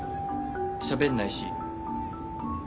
しゃべんないし。